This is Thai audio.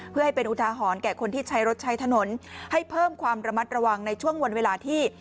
เพื่อให้เป็นอุทาหรณ์แก่คนที่ใช้รถใช้ถนนให้เพิ่มความระมัดระวังในช่วงวันเวลาที่